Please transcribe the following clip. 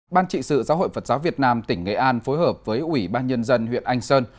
ban trị sự giáo hội phật giáo việt nam tỉnh nghệ an phối hợp với ủy ban nhân dân huyện anh sơn